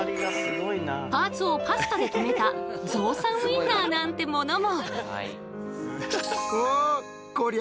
パーツをパスタで留めたゾウさんウインナーなんてものも。